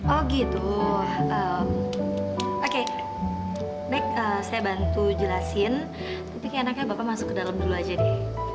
oh gitu oke baik saya bantu jelasin tapi anaknya bapak masuk ke dalam dulu aja deh